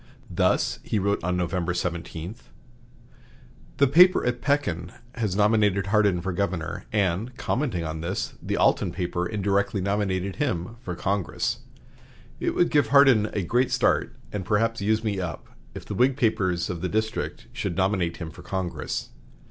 Thus he wrote on November 17: "The paper at Pekin has nominated Hardin for governor, and, commenting on this, the Alton paper indirectly nominated him for Congress. It would give Hardin a great start, and perhaps use me up, if the Whig papers of the district should nominate him for Congress.